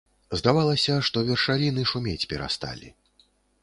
Здавалася, што вершаліны шумець перасталі.